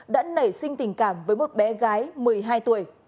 đã nảy sinh tình cảm với một bé gái một mươi hai tuổi